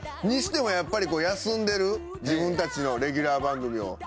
にしてもやっぱり休んでる自分たちのレギュラー番組を。